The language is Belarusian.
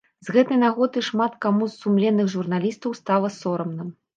З гэтай нагоды шмат каму з сумленных журналістаў стала сорамна.